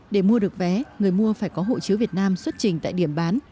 để mua được vé người mua phải có hộ chiếu việt nam xuất trình tại điểm bán